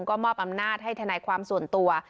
ก็มอบอำนาจให้ทนายความส่วนตัว